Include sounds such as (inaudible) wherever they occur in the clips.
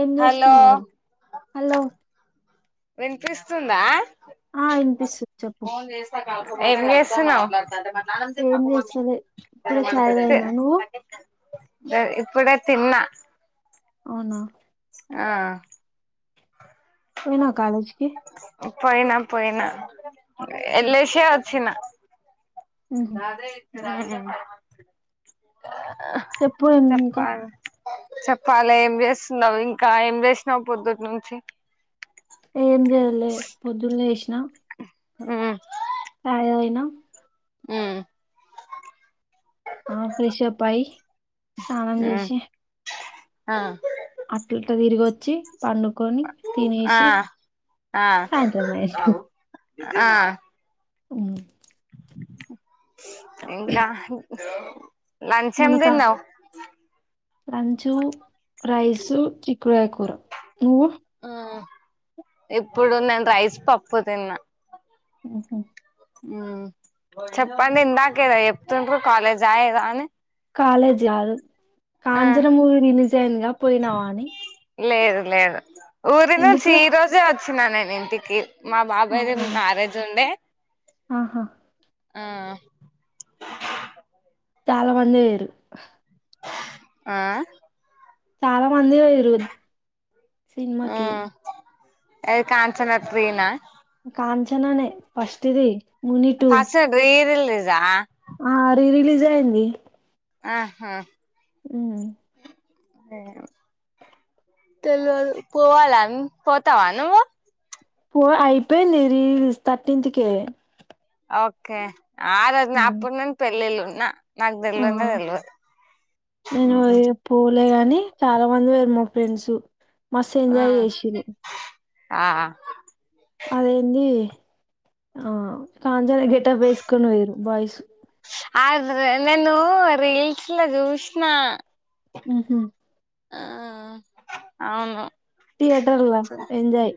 ఏం హలో చేస్తున్నావురా హలో వినిపిస్తుందా ఆ వినిపిస్తు చెప్పు ఏం జేసునవ్ ఏం చేస్తలే ఇప్పుడే చాయ్ కె తాగినా నువ్వు ఎ ఇప్పుడే తిన్న అవునా ఆ పోయినవ కాలేజీక్ ఉ పోయినా పోయినా ఎలేషే ఒచ్చినా ఉహు. రాద్రి రాజిమ్ చెప్పు ఇంకా చెప్పాలి ఏం చేస్తున్నావు ఇంకా ఏం చేసినావు పొద్దుటి నుంచి ఏం చేయాలే పొద్దున్న ఏష్నా ఊ ఆయయినా ఊ ఆ ఫ్రెషప్ప్ అయ్యి స్నానం చేసి ఆ అట్లిట్ల తిరిగొచ్చి పండుకొని ఆ తినేసి ఆ సాయంత్రం అయేషి ఆ ఊ (inaudible) ఇంకా జాబు ములకా లంచు రైసు చిక్కుడుగాయ్ కూర నువ్వు ఉమ్ ఇప్పుడు నేను రైస్ పప్పు తిన్నా ఊహూ చెప్పండి ఇందాకేదో చెప్తుంట్రారు కాలేజ్ ఆ ఏదో అని కాలేజ్ కాదు ఆ కాంచన మూవీ రిలీజ్ అయిందిగా పోయినావా అని లేదు లేదు ఊరినుంచి ఎందుకు ఈరోజే అచ్ చ్చినా నేనింటికి మా బాబాయ్ ది అవునా మ్యారేజ్ ఉండే ఆహా ఆ చాలా మంది పోయిర్రు ఆ చాలా మంది పోయిరు ఆ సినిమాకి అది కాంచన త్రీనా కాన్ చనానే ఫస్ట్ ది ముని టూ (unintelligible) జా ఆ రీ రిలీజ్ అయ్యింది ఆహా ఊమ్ తెల్లేదు పోవాలన్ పోతావా నువ్వు పో అయిపోయింది రీ రిలీజ్ తర్టీన్త్ కే ఓకే ఆ రోజు నాక్ ప్పునున్నుం పెళ్ళిళ్ళున్ న నాకు ఆ! తెల్వందే తెల్వదు ఊహూ లే గాని చాలా మంది పోరు మా ఫ్రెండ్స్ మస్తు ఎంజాయ్ ఆ చేసిర్రు ఆ అదేంది ఆ కా గేటాబేస్కునీ పోయిర్రు బయస్ ఆద్ రే నేను రీల్స్ లో చూసిన ఊహూ ఆ అవును థియేటర్లో ఎంజాయ్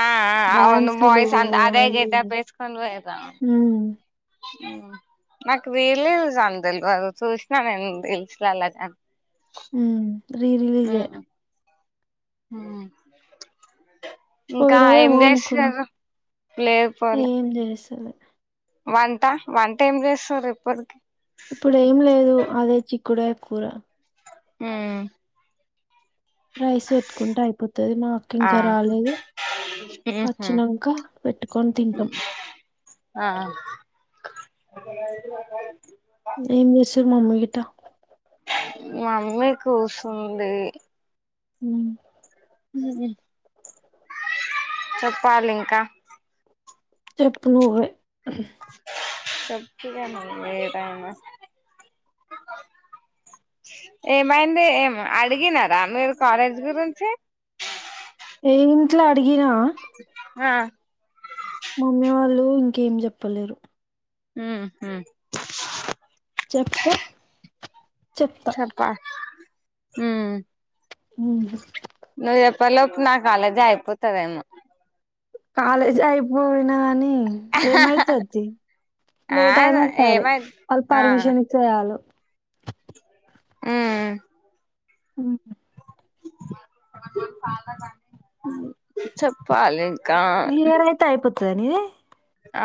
ఆ ఆ అవును డాన్సులు బాయ్స్ అంత అదే అది ఇది గెటప్ వేసుకొని పోయిర్రు అవును ఉమ్మ్ నాకు రీలీస్ అని తెల్వదు చూసిన నేను రీల్స్ లల్లాగానీ ఉమ్మ్ రీ రిలీజే ఉం పోయినవేమో అనుకున్నా లేదు పోలే ఏం చేస్తలే వంట వంట ఏం చేస్తారు ఎప్పడికి ఇప్పుడు ఏం లేదు అదే చిక్కుడాయ కూర ఉం రైస్ పెట్టుకుంటే అయిపోతది మాకు ఆ ఇంకా రాలేదు ఉహు వచ్చినాక పెట్టుకొని తింటాం ఆ ఏం చేస్తారు మమ్మీ గిటా మా మమ్మీ కూసుంది ఉం ఉహుం చెప్పాలి ఇంకా చెప్పు నువ్వే ఆ చెప్పిగా నువ్వే టైం ఏమైంది ఏం అడిగినారా మీరు కాలేజ్ గురించి ఏ ఇంట్లా అడి గిన ఆ మమ్మీ వాళ్ళు ఇంకేం చెప్పలేరు ఉహు చెప్పు చెప్ప ఉం ఉం ప్ప లోపు నా కాలేజ్ అయిపోతదేమో కాలజ అయిపోయి నాని ఏమైతది ఆ లేట్ అయినా సరే ఏమై వాళ్ళు పర్మిషన్ ఇచ్చేసాలు ఉం మ్మ్ చెప్పాలీ (unintelligible) అయిపోతే దని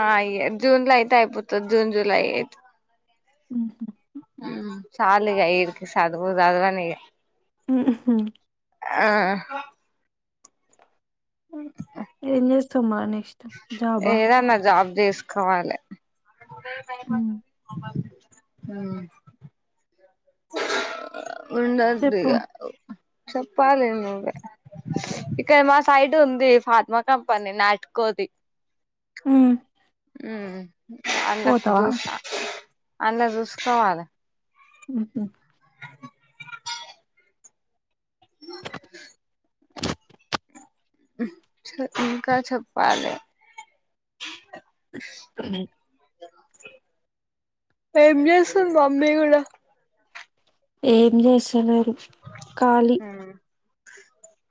అ య జూన్లో ఇయితే ఐపుతు జన్ జూలై తే ఉహు సాలు ఇగ ఇడికి సదువు సదవను ఇగ ఉహు ఆ అ ఏం చేస్తా ఏదనా జబ్ చెస్ కావాలి ఉమ్, బ (unintelligible) చెప్పు ఉండదిగా చెప్పాలి నువ్వే ఇక్కడ మా సైడ్ ఉంది ఫార్మా కంపెనీ నాటుకోది మ్మ్ మ్మ్ (unintelligible) అన్న చూసుకోవాల ఉహు ఇంకా చెప్పాలే (unintelligible) ఏం చేస్తుది మమ్మీ కూడా ఏం చేసాలే కాలి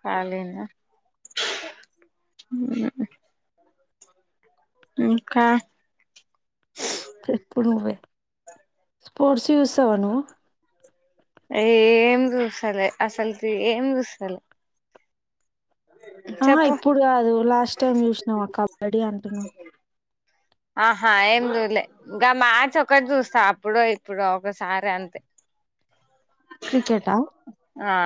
కాలనా ఇకా చెప్పు నువ్వు స్పోర్ట్స్ చూస్తావా నువ్వు ఏం చుసాలే అసలు ఏం చూసాలే ఆ ఇప్పుడు కాదు లాస్ట్ టైమ్ చూసినా అక్క కబడ్డీ అంటున్నా ఆహా ఏం చూలే ఇంకా మ్యాచ్ ఒకటి చూస్తా అప్పుడో ఇప్పుడు ఒకసారి అంతే క్రికెట్ ఆ ఆ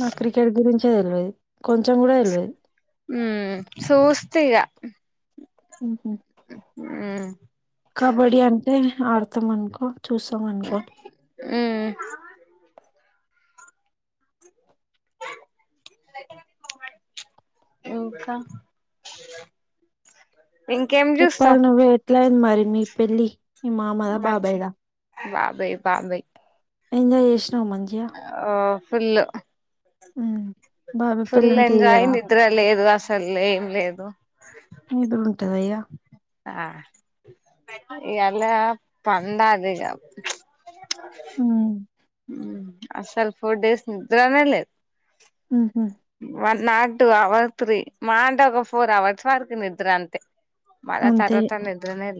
నా క్రికెట్ గురించి (unintelligible) సో (unintelligible) ఇగ ఉమ్ కబడ్డీ అంటే ఆడతాం అనుకో చూసాం అనుకో ఉమ్ ఇకా చెప్పాలి నువ్వే వేట్లాయిన మారి మీ పళ్లి మీ మామా మంచి బాబాయి ద బాబాయ్ బాబాయ్ ఇకా ఇష్ట ఆ ఫుల్ ఉమ్. బాబాయ్ ఫుల్ పెళ్ళంటే ఎంజాయ్ ఇయ్యరా నిద్ర లేదు అస ఏం లేదు (unintelligible) ఆ ఇ ఎలా పంద అదిగ హ్మ్. అసలు ఫోర్ డేస్ నిద్రనేలే ఉహు నా టు అవర్ త్రీ మహ ఫోర్ అవర్స్ వరకి నిద్ర అంతే మళ అంతే. తర్వాత నద్రనే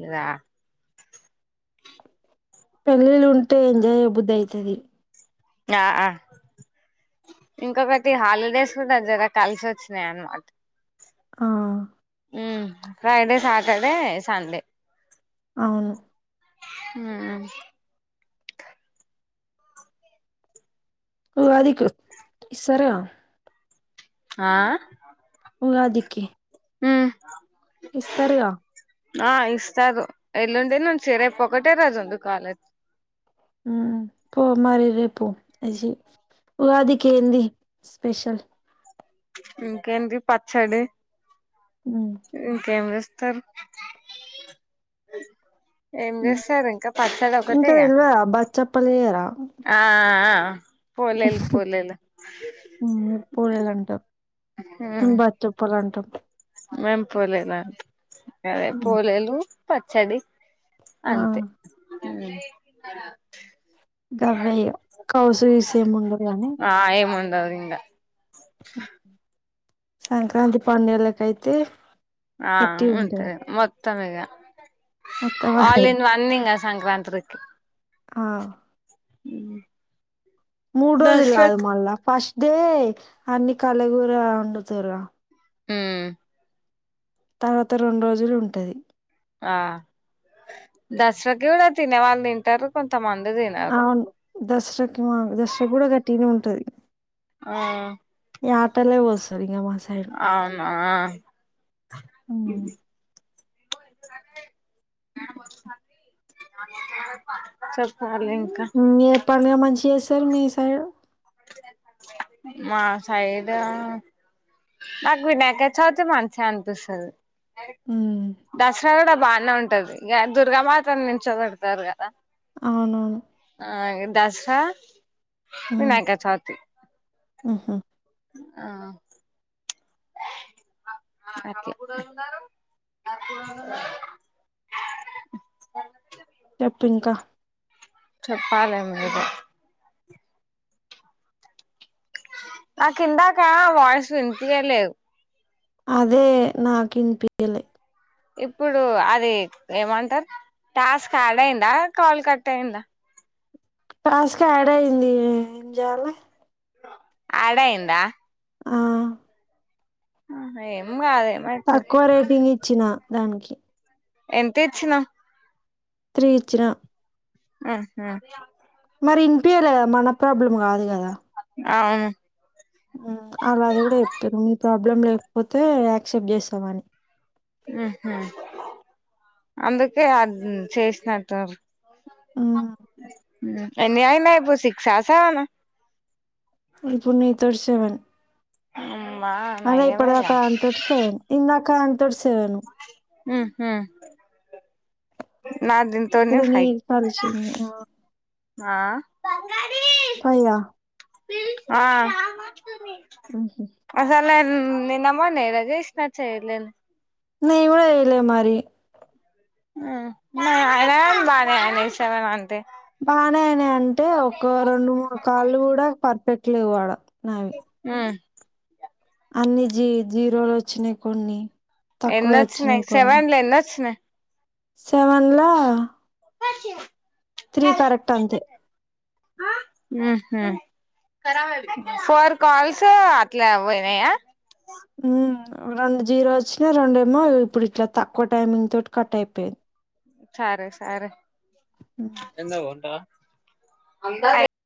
(unintelligible) పెళ్ళిళ్ళుంటే ఎంజాయ్య బుద్ధ అయితుది ఆ హా ఇంకొకటి హాలిడేస్ కూడాా జర కలిసి వచ్చినాయి అన్నమాట ఆహా ఉఫ్రైడే సాటర్డే సండే అవును ఊహు వాదికు ఈ సర ఆ ఉగాదికి ఉ ఇస్తరుగా ఆ ఇస్తారు ఎల్లుండి నుంచి రేపు ఒకటే రోజుంది కాలేజ్ ఉ పో మరి రేపు అ ఉగాదికి ఏంది స్పెషల్ ఇంకేంటి పచ్చడి హ్మ్. ఇంకేం చెస్ త (unintelligible) ఏం హ్మ్. చేస్తారు ఇంకా పచ్చడి ఒకటె గా పర్లేదా ఆ పోలేలు పోలేలు పూడలు అంటాం బచ్చప్పలు అంటాం మేం పోలేలా అదే హ్మ్. పోలేలు పచ్చడి ఆ! అంతే మ్మ్ గవే ఇగ కౌసు నీసు ఏముండదు కానీ ఇంగ సంక్రాంతి పండుగలకైతే ఆ ఉంత గట్టిగుంటది. మొత్తం మోత్తమిగా మొత్తం అదే. ఆల్ ఇన్ వన్నింగ్ అ సంక్రాంతిర్కి ఆ ఉమ్ మూడ్రోజుల్ కాదు మళ్ళ ఫస్ట్ దే అన్ని కలుగుర వండుతార హ్మ్ తర్వాత రెండు రోజులు ఉంటది ఆ దస్రాకి కూడ తినే వాళ్ళు తింటరు కొం తమంది తినరు దస్రకి మాక్ దస్రా కూడ గట్టిగనే ఉంటది ఆ యాటలే కోస్సది ఇంగమా అవునా ఉమ్. చెప్ హ్మ్ ఏ పండుగ మంచి యేస్ త్తరు మీ సైడు మా సైడా నాక్ వినాయకచవితి మంచిగ అనిపిస్తది. ఉమ్, దస్రా కూడ బానే ఉంటది ఇగ దుర్గామాత ను నుంచొ వెడుతారు కదా అవునవును ఆ ఇంగ్ దస్ హా ఉమ్, (unintelligible) ఆ తే ఉహు ఆ ఒకే చెప్పు ఇంకా చెప్పాలె ముందు గే నా కిందాకా వాయిస్ వినిపియ్యలేదు అదే నాకి ఇన్ పియ్లే ఇప్పుడు అది ఏమంటర్ టాస్క్ ఆడ్ అయిందా కాల్ కట్ అయిందా, టాస్క్ యాడ్ అయింది ఏంజేల ఆడయిందా ఆ ఆ ఏం కాదే తక్కువ రేటింగ్ ఇచ్చినా దానికి ఎంత ఇచ్చిన తిరిగి ఇచ్చిన ఉహు మరి వినిపియ్యలే కదా మన ప్రాబ్లం కాదు గదా అవును అలా అది కూడా ఎప్తరు మీ ప్రాబ్లం లేకపోతే యాక్సెప్ట్ జేస్సమని మ్మ్ హ్మ్ అందుకే అన్ చేసినట్టురు మ్మ్ మ్మ్ ఎన్ని అయినాయి ఇబు సిక్సా సెవెనా ఉపుున్నైతోడు (unintelligible) సవన్ ఆ అదే ఇప్పుడు దాక అంతొటి సెవెన్ ఇంకా అంతొటి సేవెన్ ఉహు నా దీంతోనే అప్పుడు ఫైవ్ నీర్ పల్చింది ఆ తెల్లదా ఆ అసల్ నన్ నిన్న మెన్నె కదా చెసిన చైర్లలొ నిను కూడా చైలే మరి మ అరం బా (unintelligible) ర ఆనే చవనంత బాగనే అయినయి అంటే ఒక రెండు మూడు కాళ్ళు కూడా పర్ పెట్టలేవు వాడ నావును ఆ అన్ని జీ జీరోలు వచ్చినయి కొన్ని తక్కువ వచ్చినాయి ఎన్నొచ్చినాయి కొన్ని సెవెన్ లు ఎన్ని వచ్చినాయి సెవెన్లా అచ్చ త్రీ కరెక్ట్ అంతే ఆ హా ఫోర్ కల్స్ పొ అట్లా పోయినాయ మ్మ్ రెండు జీరో వచ్చినాయ్ రెండేమో ఇప్పుడు ఇట్లా తక్కువ టైమింగ్ తోటి కట్ అయిపోయింది సరే సరే హ్మ్ అయిందా వంట అ (inaudible)